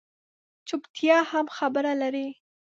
چُپتیا هم خبره لري